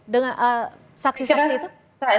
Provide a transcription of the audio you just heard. dengan saksi saksi itu